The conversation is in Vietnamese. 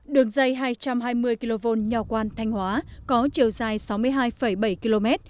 đường dây hai trăm hai mươi kv nho quan thanh hóa có chiều dài sáu mươi hai bảy km